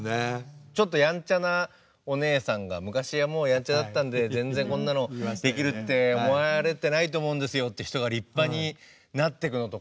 ちょっとやんちゃなおねえさんが「昔はもうやんちゃだったんで全然こんなのできるって思われてないと思うんですよ」っていう人が立派になってくのとか。